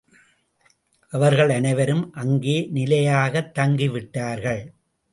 அவர்கள் அனைவரும் அங்கே நிலையாகத் தங்கிவிட்டார்கள்.